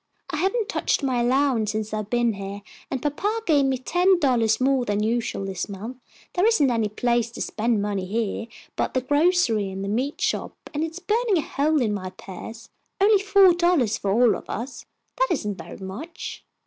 I haven't touched my allowance since I've been here, and papa gave me ten dollars more than usual this month. There isn't any place to spend money here but at the grocery and meat shop, and it's burning a hole in my purse. Only four dollars for all of us. That isn't very much."